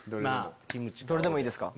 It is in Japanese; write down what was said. どれでもいいですか？